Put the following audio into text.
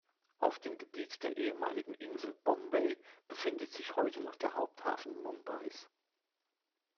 Auf dem Gebiet der ehemaligen Insel Bombay befindet sich heute noch der Haupthafen Mumbais.